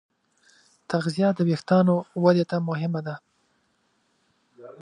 تغذیه د وېښتیانو ودې ته مهمه ده.